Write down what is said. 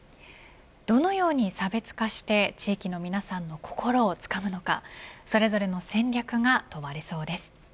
どのように差別化して、地域の皆さんの心をつかむのかそれぞれの戦略が問われそうです。